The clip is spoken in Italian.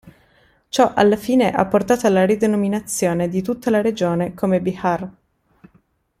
Ciò alla fine ha portato alla ridenominazione di tutta la regione come Bihar.